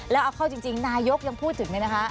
แล้วเอาเข้าจริงนายกยังพูดถึงเลยนะคะ